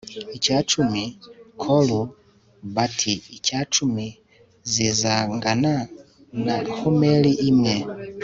icumi cya koru bati icumi zizangana na homeri imwe